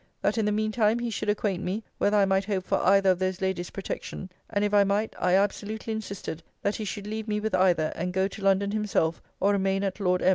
That in the mean time he should acquaint me, whether I might hope for either of those ladies' protection: and if I might, I absolutely insisted that he should leave me with either, and go to London himself, or remain at Lord M.'